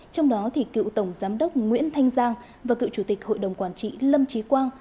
trong đó cựu tổng giám đốc nguyễn thanh giang và cựu chủ tịch hội đồng quản trị lâm trí quang